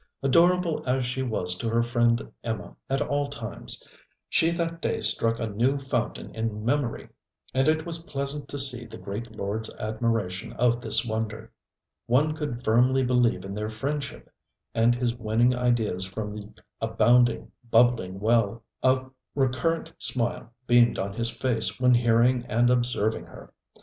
Adorable as she was to her friend Emma at all times, she that day struck a new fountain in memory. And it was pleasant to see the great lord's admiration of this wonder. One could firmly believe in their friendship, and his winning ideas from the abounding bubbling well. A recurrent smile beamed on his face when hearing and observing her.